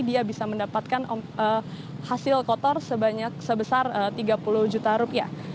dia bisa mendapatkan hasil kotor sebesar tiga puluh juta rupiah